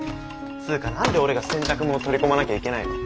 つーか何で俺が洗濯物取り込まなきゃいけないの？